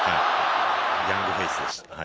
ヤングフェースでした。